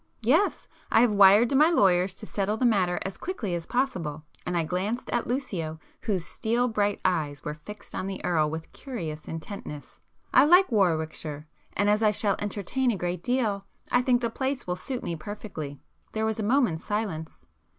"Yes. I have wired to my lawyers to settle the matter as quickly as possible"—and I glanced at Lucio whose steel bright eyes were fixed on the Earl with curious intentness,—"I like Warwickshire,—and as I shall entertain a great deal I think the place will suit me perfectly." There was a moment's silence.